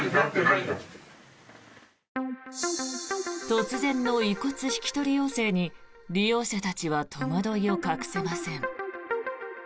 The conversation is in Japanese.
突然の遺骨引き取り要請に利用者たちは戸惑いを隠せません。